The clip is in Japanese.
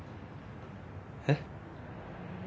えっ？